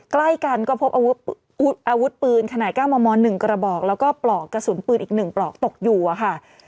ใกล้กันก็พบอาวุธปืนขนาด๙มม๑กระบอกแล้วก็ปลอกกระสุนปืนอีก๑ปลอกตกอยู่อะค่ะ